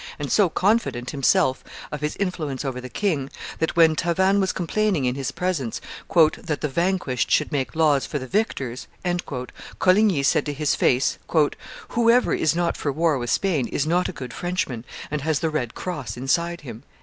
and so confident himself of his influence over the king, that when Tavannes was complaining in his presence "that the vanquished should make laws for the victors," Coligny said to his face, "Whoever is not for war with Spain is not a good Frenchman, and has the red cross inside him."